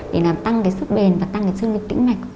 để làm tăng cái sức bền và tăng cái chương trình tĩnh mạch